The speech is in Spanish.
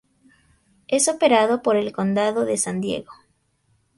Es operado por el condado de San Diego.